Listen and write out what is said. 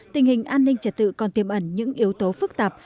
tình hình an ninh trật tự còn tiêm ẩn những yếu tố phức tạp